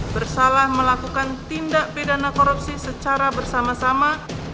bersalah melakukan tindak pidana korupsi secara bersama sama